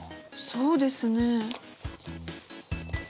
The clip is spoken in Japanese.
そうですね。